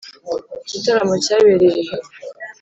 iki gitaramo cyabereye he?